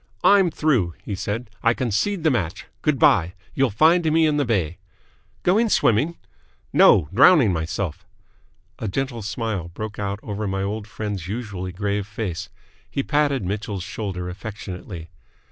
"I'm through!" he said. "I concede the match. Good bye. You'll find me in the bay!" "Going swimming?" "No. Drowning myself." A gentle smile broke out over my old friend's usually grave face. He patted Mitchell's shoulder affectionately.